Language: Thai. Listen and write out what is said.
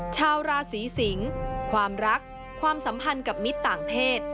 ชาวราศีสิงศ์ความรักความสัมพันธ์กับมิตรต่างเพศ